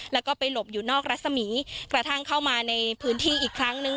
แล้วก็ไปหลบอยู่นอกรัศมีกระทั่งเข้ามาในพื้นที่อีกครั้งนึง